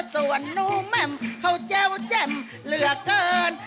ส่วนหนูแม่มเขาเจ้าเจ็มเหลือเกิน